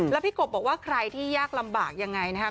แล้วพี่กบบอกว่าใครที่ยากลำบากยังไงนะครับ